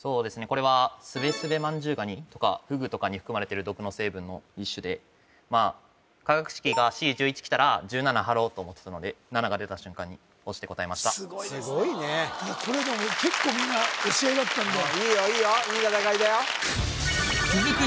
これはスベスベマンジュウガニとかフグとかに含まれてる毒の成分の一種でまあ化学式がＣ１１来たら１７張ろうと思ってたので７が出た瞬間に押して答えましたすごいねただ結構みんな押し合いだったいいよいいよいい戦いだよ続く